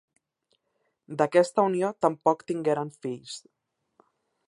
D'aquesta unió tampoc tingueren fills.